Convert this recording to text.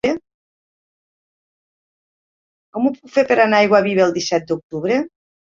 Com ho puc fer per anar a Aiguaviva el disset d'octubre?